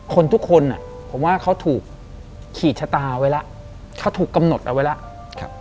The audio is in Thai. ทุกคนผมว่าเขาถูกขีดชะตาไว้แล้วเขาถูกกำหนดเอาไว้แล้ว